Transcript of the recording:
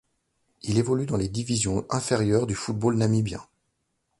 Il évolue dans les divisions inférieures du football namibien.